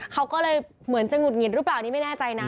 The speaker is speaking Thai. เขาก็เลยเหมือนจะหุดหงิดหรือเปล่านี่ไม่แน่ใจนะ